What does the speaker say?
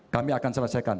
kami akan selesaikan